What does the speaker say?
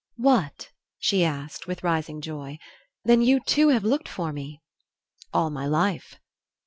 "What?" she asked, with rising joy. "Then you, too, have looked for me?" "All my life."